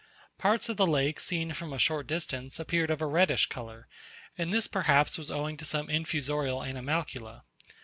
Parts of the lake seen from a short distance appeared of a reddish colour, and this perhaps was owing to some infusorial animalcula.